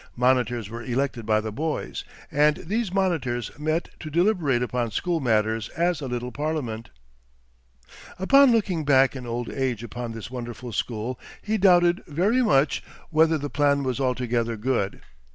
Monitors were elected by the boys, and these monitors met to deliberate upon school matters as a little parliament. Upon looking back in old age upon this wonderful school, he doubted very much whether the plan was altogether good.